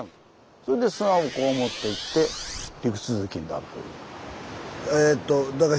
それで砂をこうもっていって陸続きになるという。